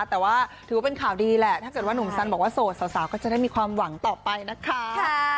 แต่ว่าถือว่าเป็นข่าวดีแหละถ้าเกิดว่าหนุ่มสันบอกว่าโสดสาวก็จะได้มีความหวังต่อไปนะคะ